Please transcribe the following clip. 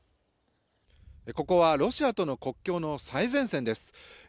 ここはロシアとの国境の最前線です。